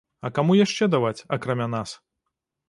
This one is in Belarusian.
А каму яшчэ даваць, акрамя нас?